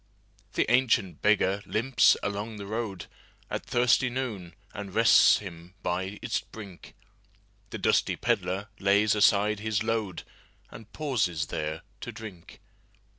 The ancient beggar limps along the roadAt thirsty noon, and rests him by its brink; The dusty pedlar lays aside his load, And pauses there to drink.